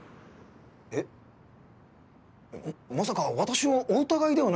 えっまさか私をお疑いではないですよね！？